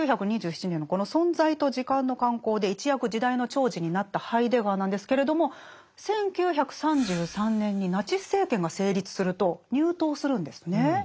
１９２７年のこの「存在と時間」の刊行で一躍時代の寵児になったハイデガーなんですけれども１９３３年にナチス政権が成立すると入党するんですね。